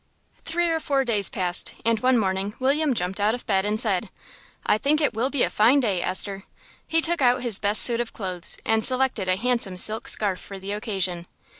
Three or four days passed, and one morning William jumped out of bed and said "I think it will be a fine day, Esther." He took out his best suit of clothes, and selected a handsome silk scarf for the occasion.